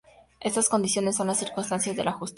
Estas condiciones son las circunstancias de la justicia.